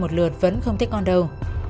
một lượt vẫn không thích con đâu